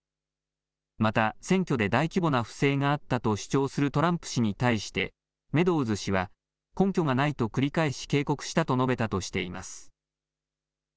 また選挙で大規模な不正があったと主張するトランプ氏に対してメドウズ氏は根拠がないと繰り返し警告したと述べたとしています。